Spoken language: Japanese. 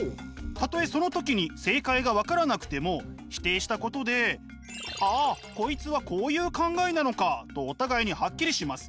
たとえその時に正解が分からなくても否定したことで「ああこいつはこういう考えなのか」とお互いにハッキリします。